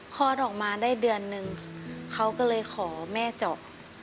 คลอดออกมาได้เดือนนึงเขาก็เลยขอแม่เจาะ